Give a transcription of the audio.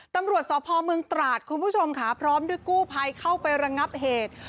ตำรวจสพเมืองตราดคุณผู้ชมค่ะพร้อมด้วยกู้ภัยเข้าไประงับเหตุ